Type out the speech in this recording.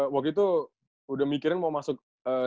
waktu itu udah mikirin mau masuk regina pacis